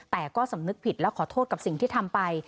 แต่ก็สำนึกผิดและขอโทษกับสิ่งที่ทำไป